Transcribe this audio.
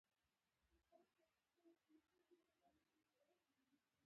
د منصور بن عبدالمالک ساماني په وخت کې بخارا ته لاړ.